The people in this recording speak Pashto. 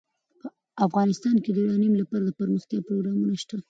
افغانستان کې د یورانیم لپاره دپرمختیا پروګرامونه شته.